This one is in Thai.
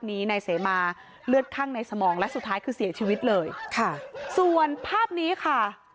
นายเสมาเลือดคั่งในสมองและสุดท้ายคือเสียชีวิตเลยค่ะส่วนภาพนี้ค่ะ